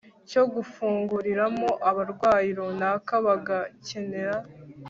cyo gufunguriramo abarwayi runaka bagakenera